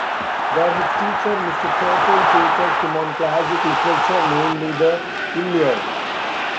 There, his teacher, Mr. Tuttle, tutors him on classic literature, mainly the "Iliad".